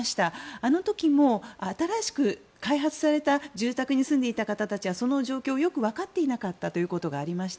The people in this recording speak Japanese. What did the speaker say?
あの時も新しく開発された住宅に住んでいた方たちはその状況をよく分かっていなかったということがありました。